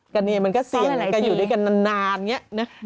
กระเนียมันก็เสี่ยงการอยู่ด้วยกันนานอย่างนี้